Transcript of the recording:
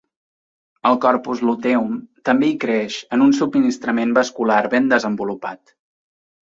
Al corpus luteum també hi creix en un subministrament vascular ben desenvolupat.